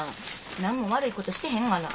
何も悪いことしてへんがな。